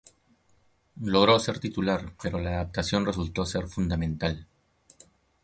Logró ser titular pero la adaptación resultó ser fundamental.